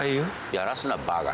やらすなバカ。